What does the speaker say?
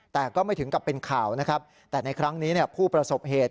แต่ก็ไม่ถึงกับเป็นข่าวนะครับแต่ในครั้งนี้ผู้ประสบเหตุ